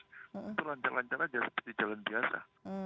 itu lancar lancar aja di jalan biasa